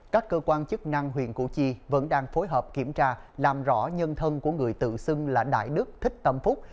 các cơ quan chức năng huyện củ chi vẫn đang phối hợp kiểm tra làm rõ nhân thân của người tự xưng là đại đức thích tâm phúc